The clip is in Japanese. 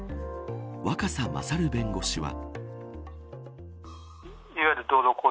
若狭勝弁護士は。